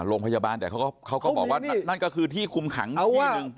โรงพยาบาลแต่เขาก็บอกว่านั่นก็คือที่คุมขังอีกที่หนึ่ง